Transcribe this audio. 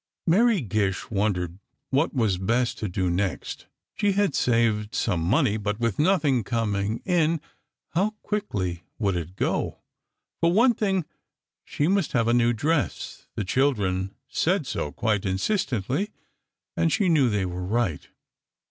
Mary Gish wondered what was best to do next. She had saved some money, but with nothing coming in, how quickly it would go. For one thing, she must have a new dress. The children said so, quite insistently, and she knew they were right.